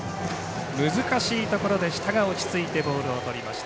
難しいところでしたが落ちついてボールをとりました。